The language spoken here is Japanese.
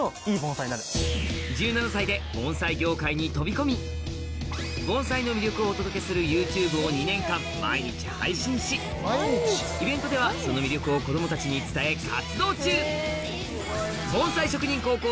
続いては盆栽の魅力をお届けするＹｏｕＴｕｂｅを２年間毎日配信しイベントではその魅力を子供たちに伝え活動中